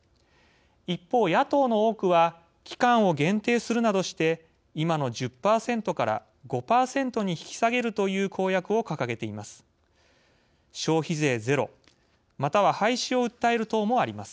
一方、野党の多くは期間を限定するなどして今の１０％から５％に引き下げるという公約を掲げています。